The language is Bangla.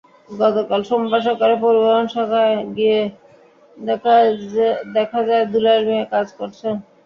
গতকাল সোমবার সকালে পরিবহন শাখায় গিয়ে দেখা যায়, দুলাল মিয়া কাজ করছেন।